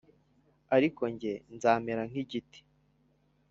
Ariko jye nzamera nkigiti